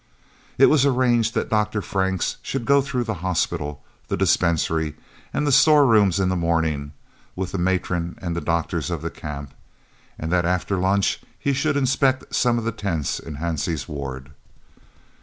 It was arranged that Dr. Franks should go through the hospital, the dispensary, and the store rooms in the morning, with the matron and the doctors of the Camp, and that after lunch he should inspect some of the tents in Hansie's ward.